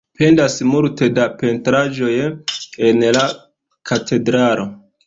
Pendas multe da pentraĵoj en la katedralo.